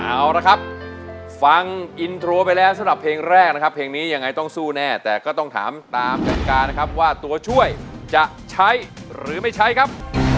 เอาละครับฟังอินโทรไปแล้วสำหรับเพลงแรกนะครับเพลงนี้ยังไงต้องสู้แน่แต่ก็ต้องถามตามกันการนะครับว่าตัวช่วยจะใช้หรือไม่ใช้ครับ